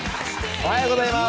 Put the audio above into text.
おはようございます。